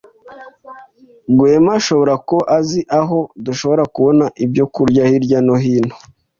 Rwema ashobora kuba azi aho dushobora kubona ibyo kurya hirya no hino.